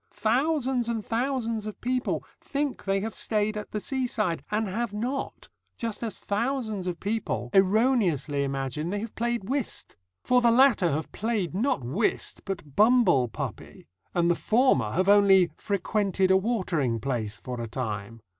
Thousands and thousands of people think they have stayed at the seaside, and have not, just as thousands of people erroneously imagine they have played whist. For the latter have played not whist, but Bumble puppy, and the former have only frequented a watering place for a time.